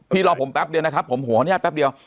พี่รอผมแป๊บเดี๋ยวนะครับผมหัวอนญาตน์แป๊บเดี๋ยว